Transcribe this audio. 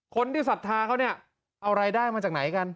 คนที่สัทธาเขาเอารายได้มาจากไหนกัน